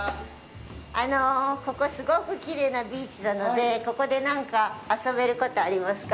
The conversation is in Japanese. ここすごくきれいなビーチなのでここで何か遊べることありますか？